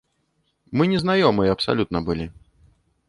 Мы не знаёмыя абсалютна былі.